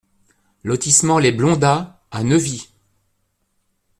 Lotissement Les Blondats à Neuvy